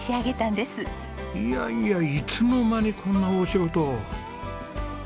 いやいやいつの間にこんな大仕事を！